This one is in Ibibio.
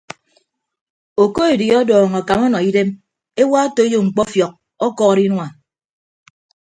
Okoedi ọdọọñ akam ọnọ idem ewa otoiyo mkpọfiọk ọkọọrọ inua.